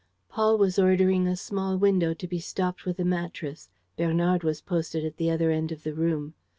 Paul was ordering a small window to be stopped with a mattress. Bernard was posted at the other end of the room.